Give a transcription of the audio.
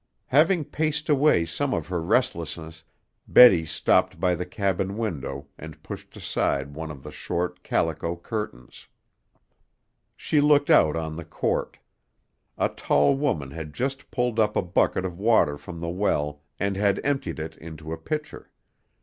Having paced away some of her restlessness, Betty stopped by the cabin window and pushed aside one of the short, calico curtains. She looked out on the court. A tall woman had just pulled up a bucket of water from the well and had emptied it into a pitcher.